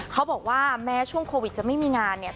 เขาบอกว่าแม้ช่วงโควิดจะไม่มีงานเนี่ย